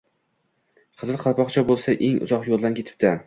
Qizil Qalpoqcha boʻlsa, eng uzoq yoʻldan ketibdi